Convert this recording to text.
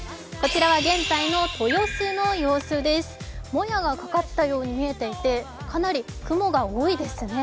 もやがかかったように見えていてかなり雲が多いですね。